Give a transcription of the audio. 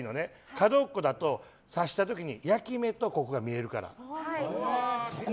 角っこだと、刺した時に焼き目とここが見えるから。